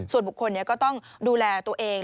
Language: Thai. ส่วนบุคคลก็ต้องดูแลตัวเอง